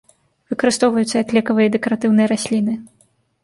Выкарыстоўваюцца як лекавыя і дэкаратыўныя расліны.